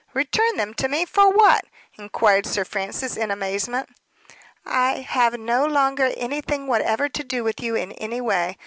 "Return them to me for what?" inquired Sir Francis, in amazement. "I have no longer anything whatever to do with you in any way.